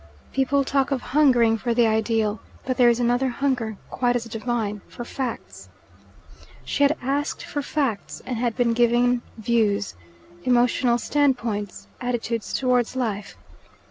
People talk of hungering for the ideal, but there is another hunger, quite as divine, for facts. She had asked for facts and had been given "views," "emotional standpoints," "attitudes towards life."